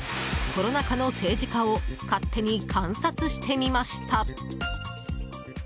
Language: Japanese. コロナ禍の政治家を勝手に観察してみました。